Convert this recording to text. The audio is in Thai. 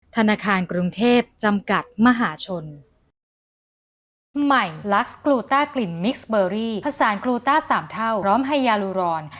ธนาคารกรุงเทพจำกัดมหาชน